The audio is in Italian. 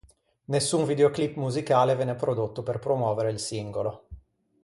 Nessun videoclip musicale venne prodotto per promuovere il singolo.